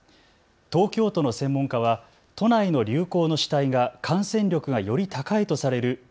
東京都の専門家は都内の流行の主体が感染力がより高いとされるＢＡ．